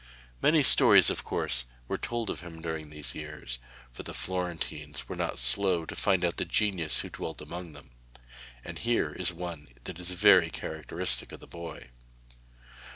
Many stories, of course, were told of him during these years for the Florentines were not slow to find out the genius who dwelt among them and here is one that is very characteristic of the boy.